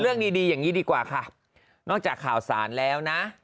ดีดีอย่างนี้ดีกว่าค่ะนอกจากข่าวสารแล้วนะ